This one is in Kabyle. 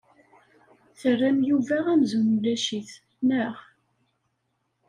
Terram Yuba amzun ulac-it, naɣ?